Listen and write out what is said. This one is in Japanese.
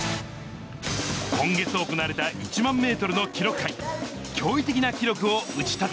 今月行われた１万メートルの記録会。